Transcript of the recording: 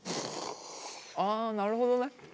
あなるほどね！